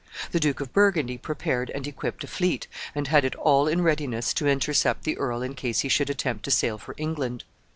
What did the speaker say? The Duke of Burgundy prepared and equipped a fleet, and had it all in readiness to intercept the earl in case he should attempt to sail for England.